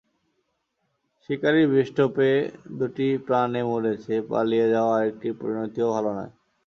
শিকারির বিষটোপে দুটি প্রাণে মরেছে, পালিয়ে যাওয়া আরেকটির পরিণতিও ভালো নয়।